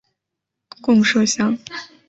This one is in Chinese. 贡麝香。